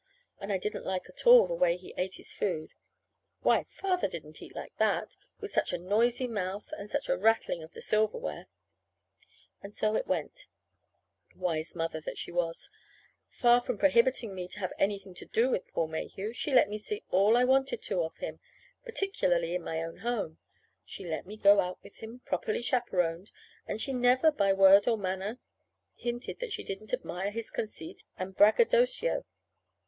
And I didn't like at all the way he ate his food. Why, Father didn't eat like that with such a noisy mouth, and such a rattling of the silverware! And so it went wise mother that she was! Far from prohibiting me to have anything to do with Paul Mayhew, she let me see all I wanted to of him, particularly in my own home. She let me go out with him, properly chaperoned, and she never, by word or manner, hinted that she didn't admire his conceit and braggadocio.